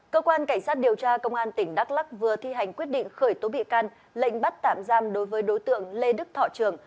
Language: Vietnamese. cơ quan cảnh sát điều tra công an tỉnh đắk lắc vừa thi hành quyết định khởi tố bị can lệnh bắt tạm giam đối với đối tượng lê đức thọ trường